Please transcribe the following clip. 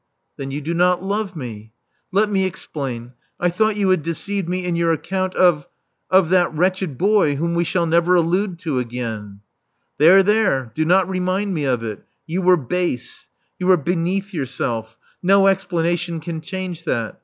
"Then you do not love me.'* "Let me explain. I thought you had deceived me in your account of — of that wretched boy whom we shall never allude to again —*' "There, there. Do not remind me of it. You were base: you were beneath yourself : no explanation can change that.